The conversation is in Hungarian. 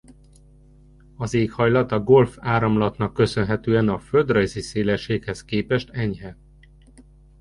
Az éghajlat a Golf-áramlatnak köszönhetően a földrajzi szélességhez képest enyhe.